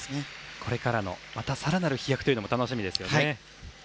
これからのまた更なる飛躍というのも楽しみですよね。